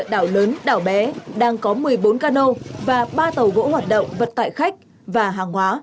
tàu lớn đảo bé đang có một mươi bốn cano và ba tàu gỗ hoạt động vận tải khách và hàng hóa